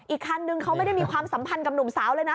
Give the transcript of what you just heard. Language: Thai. อีกคันนึงเขาไม่ได้มีความสัมพันธ์กับหนุ่มสาวเลยนะ